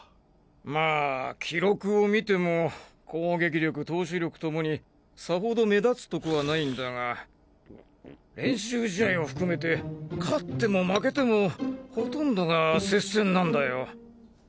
まあ記録を見ても攻撃力投手力ともにさほど目立つとこはないんだが練習試合を含めて勝っても負けてもほとんどが接戦なんだよ。